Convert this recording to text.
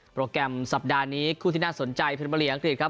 โปรแกรมสัปดาห์นี้คู่ที่น่าสนใจเป็นบริหารอังกฤษครับ